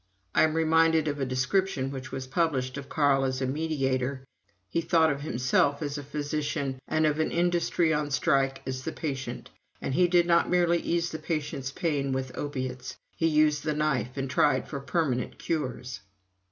(I am reminded of a description which was published of Carl as a mediator. "He thought of himself as a physician and of an industry on strike as the patient. And he did not merely ease the patient's pain with opiates. He used the knife and tried for permanent cures.")